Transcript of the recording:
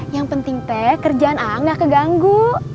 yang penting teh kerjaan a gak keganggu